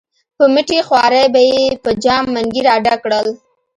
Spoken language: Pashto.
په مټې خوارۍ به یې په جام منګي را ډک کړل.